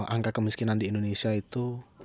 angka kemiskinan di indonesia itu